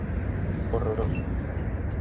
Horroroso.